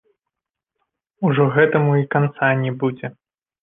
Ужо гэтаму і канца не будзе!